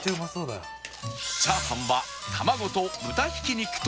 チャーハンは卵と豚挽き肉とネギだけ！